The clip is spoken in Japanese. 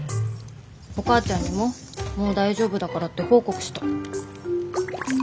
お母ちゃんにももう大丈夫だからって報告した。